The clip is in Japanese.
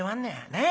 ねえ。